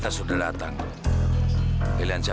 kalian perangin ini